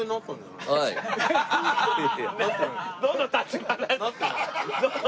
どの立場で。